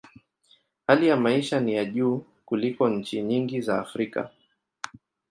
Hali ya maisha ni ya juu kuliko nchi nyingi za Afrika.